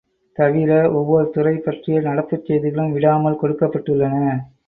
தவிர, ஒவ்வொரு துறை பற்றிய நடப்புச் செய்திகளும் விடாமல் கொடுக்கப்பட்டுள்ளன.